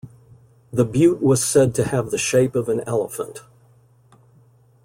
The butte was said to have the shape of an elephant.